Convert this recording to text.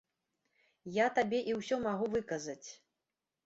Я табе і ўсё магу выказаць.